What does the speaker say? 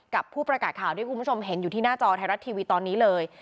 ผู้ประกาศข่าวที่คุณผู้ชมเห็นอยู่ที่หน้าจอไทยรัฐทีวีตอนนี้เลย